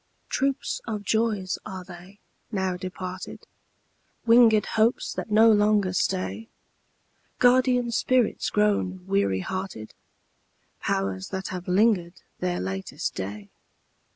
Troops of joys are they, now departed? Winged hopes that no longer stay? Guardian spirits grown weary hearted? Powers that have linger'd their latest day?